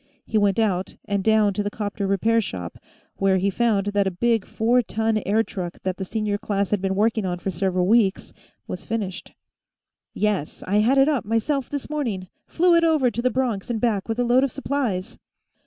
He went out, and down to the 'copter repair shop, where he found that a big four ton air truck that the senior class had been working on for several weeks was finished. "That thing been tested, yet?" he asked the instructor. "Yes; I had it up, myself, this morning. Flew it over to the Bronx and back with a load of supplies."